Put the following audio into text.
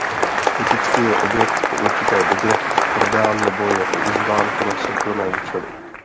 Typicky je objekt po určité době prodán nebo je používán pro soukromé účely.